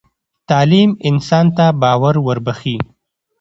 تعلیم انسان ته باور وربخښي.